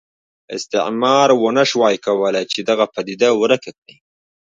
استعمار ونه شوای کولای چې دغه پدیده ورکه کړي.